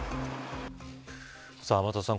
天達さん